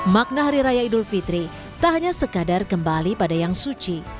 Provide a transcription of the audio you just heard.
makna hari raya idul fitri tak hanya sekadar kembali pada yang suci